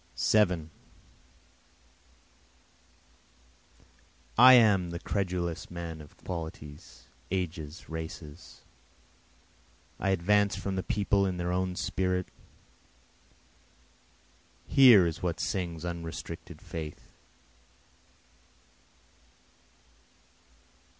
7 I am the credulous man of qualities, ages, races, I advance from the people in their own spirit, Here is what sings unrestricted faith.